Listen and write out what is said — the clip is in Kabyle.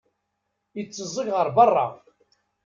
Itteẓẓeg ɣer beṛṛa.